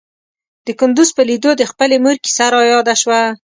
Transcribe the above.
د کندوز په ليدو د خپلې مور کيسه راياده شوه.